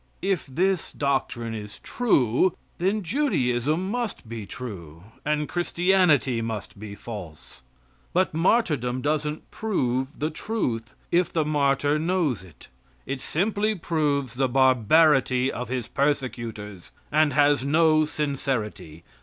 If this doctrine is true, then Judaism must be true and Christianity must be false. But martyrdom doesn't prove the truth if the martyr knows it. It simply proves the barbarity of his persecutors, and has no sincerity.